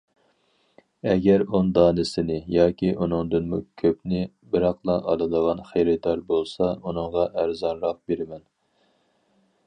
ئەگەر ئون دانىسىنى ياكى ئۇنىڭدىنمۇ كۆپنى بىراقلا ئالىدىغان خېرىدار بولسا ئۇنىڭغا ئەرزانراق بېرىمەن.